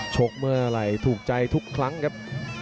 โชคเมื่ออะไรถูกใจทุกครั้งครับ